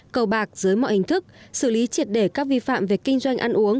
cầu bạc dưới mọi hình thức xử lý triệt để các vi phạm về kinh doanh ăn uống